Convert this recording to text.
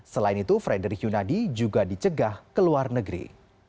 selain itu frederick yunadi juga dicegah ke luar negeri